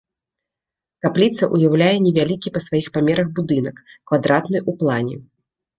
Капліца ўяўляе невялікі па сваіх памерах будынак, квадратны ў плане.